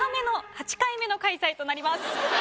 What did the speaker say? ８回目の開催となります。